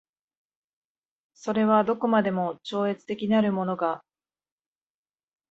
それはどこまでも超越的なるものが